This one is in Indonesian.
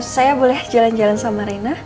saya boleh jalan jalan sama rena